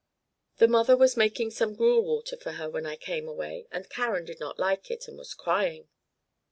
The mother was making some gruel water for her when I came away, and Karen did not like it, and was crying."